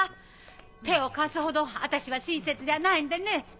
手を貸すほど私は親切じゃないんでね。